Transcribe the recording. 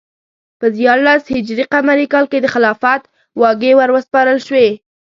په دیارلس ه ق کال کې د خلافت واګې وروسپارل شوې.